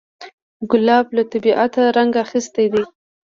ګلاب له طبیعته رنګ اخیستی دی.